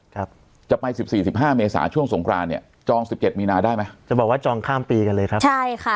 ครับจะไปสิบสี่สิบห้าเมษาช่วงสงครานเนี่ยจองสิบเจ็ดมีนาได้ไหมจะบอกว่าจองข้ามปีกันเลยครับใช่ค่ะ